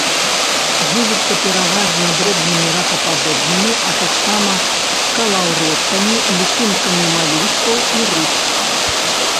Жывіцца пераважна дробнымі ракападобнымі, а таксама калаўроткамі, лічынкамі малюскаў і рыб.